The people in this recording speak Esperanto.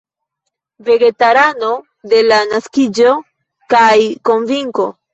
Vegetarano de la naskiĝo kaj konvinko.